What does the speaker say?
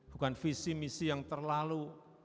bukan visi misi yang terlalu